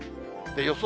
予想